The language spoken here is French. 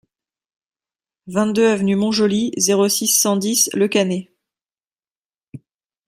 vingt-deux avenue Mont-Joli, zéro six, cent dix Le Cannet